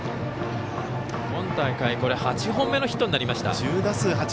今大会８本目のヒットになりました。